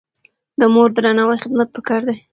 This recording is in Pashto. د مور درناوی او خدمت پکار دی.